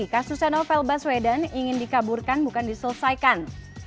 kasusnya novel baswedan ingin dikaburkan bukan diselesaikan